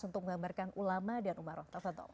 untuk menggambarkan ulama dan umaroh